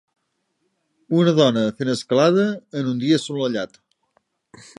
Una dona fent escalada en un dia assolellat.